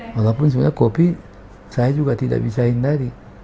walaupun sebenarnya kopi saya juga tidak bisa hindari